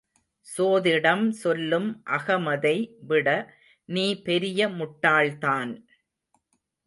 சோதிடம் சொல்லும் அகமதை விட நீ பெரிய முட்டாள்தான்!